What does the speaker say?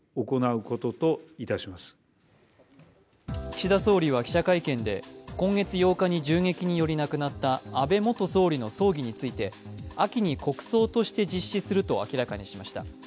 岸田総理は記者会見で今月８日に銃撃により亡くなった安倍元総理の葬儀について、秋に国葬として実施すると明らかにしました。